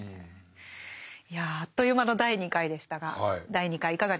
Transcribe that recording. いやあっという間の第２回でしたが第２回いかがでしたか？